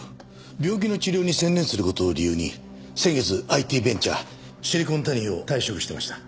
病気の治療に専念する事を理由に先月ＩＴベンチャーシリコンタニーを退職してました。